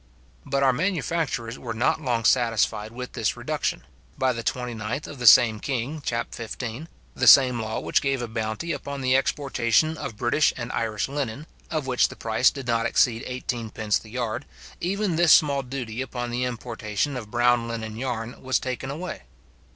But our manufacturers were not long satisfied with this reduction: by the 29th of the same king, chap. 15, the same law which gave a bounty upon the exportation of British and Irish linen, of which the price did not exceed 18d. the yard, even this small duty upon the importation of brown linen yarn was taken away.